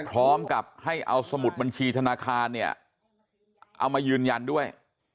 พร้อมกับให้เอาสมุดบัญชีธนาคารเนี่ยเอามายืนยันด้วย